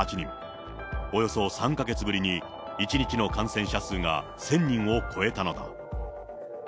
およそ３か月ぶりに１日の感染者数が１０００人を超えたのだ。